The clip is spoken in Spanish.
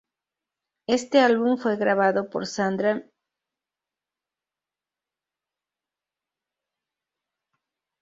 Este álbum fue grabado por Sandra mientras estaba embarazada de gemelos.